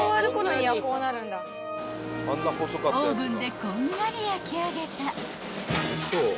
［オーブンでこんがり焼き上げた］